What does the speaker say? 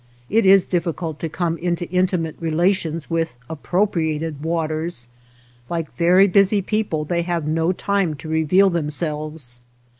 It is difficult to come into intimate relations with appropriated waters ; like very busy people they have no time to reveal them selves.